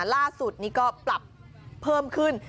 ล่าสุดนี้ก็ปรับเพิ่มขึ้น